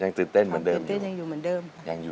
ยังตื่นเต้นเหมือนเดิม